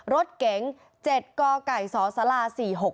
รถเก๋ง๗กไก่ซอสรา๔๖๑